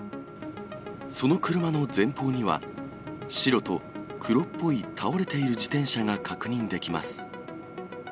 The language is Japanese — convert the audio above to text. その車の前方には、白と黒っぽい倒れている自転車が確認できます。